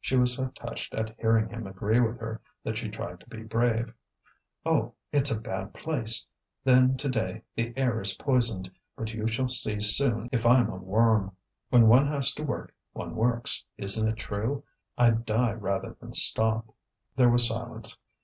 She was so touched at hearing him agree with her that she tried to be brave. "Oh! it's a bad place. Then, to day the air is poisoned. But you shall see soon if I'm a worm. When one has to work, one works; isn't it true? I'd die rather than stop." There was silence.